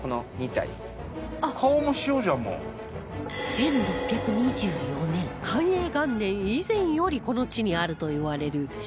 １６２４年寛永元年以前よりこの地にあるといわれる塩地蔵